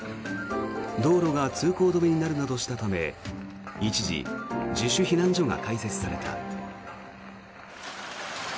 道路が通行止めになるなどしたため一時、自主避難所が開設された。